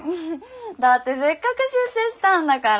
だってせっかく出世したんだから。